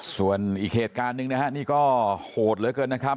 ส่วนอีกเหตุการณ์หนึ่งนะฮะนี่ก็โหดเหลือเกินนะครับ